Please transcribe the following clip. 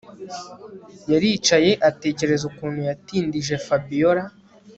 Yaricaye atekereza ukuntu yatindije Fabiora